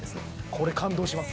これ感動します